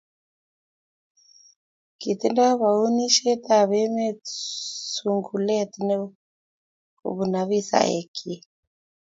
kitindoi bounishet ab emet sungulet neo kubun afisaek chi